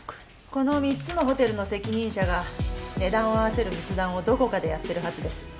この３つのホテルの責任者が値段を合わせる密談をどこかでやってるはずです。